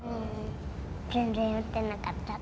ぜんぜんうてなかったね。